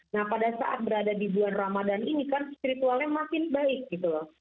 nah pada saat berada di bulan ramadan ini kan spiritualnya makin baik gitu loh